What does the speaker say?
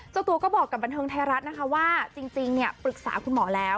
เจ้าตัวก็บอกกับบันเทิงไทยรัฐนะคะว่าจริงปรึกษาคุณหมอแล้ว